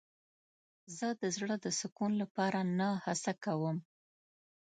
زه د زړه د سکون لپاره نه هڅه کوم.